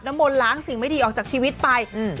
มนต์ล้างสิ่งไม่ดีออกจากชีวิตไปอืม